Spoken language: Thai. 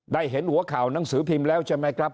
ได้เห็นหัวข่าวหนังสือพิมพ์แล้วใช่ไหมครับ